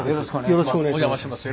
よろしくお願いします。